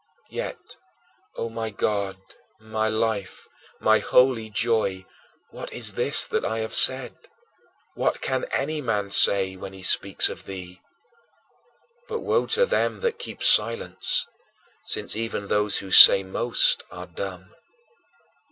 Yet, O my God, my life, my holy Joy, what is this that I have said? What can any man say when he speaks of thee? But woe to them that keep silence since even those who say most are dumb.